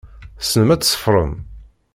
Tessnem ad tṣeffrem?